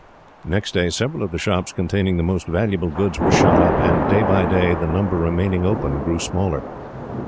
Next day, several of the shops containing the most valuable goods were shut up; and, day by day, the number remaining open grew smaller.